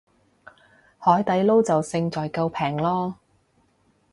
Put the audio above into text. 海底撈就勝在夠平囉